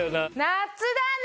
夏だね！